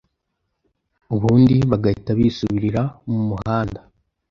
ubundi bagahita bisubirira mu muhanda.